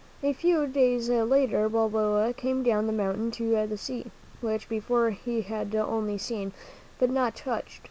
A few days later Balboa came down the mountain to the sea, which before he had only seen, but not touched.